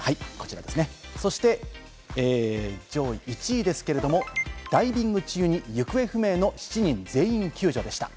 上位１位ですけれども、ダイビング中に行方不明の７人、全員救助でした。